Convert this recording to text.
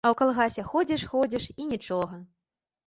А ў калгасе ходзіш-ходзіш і нічога.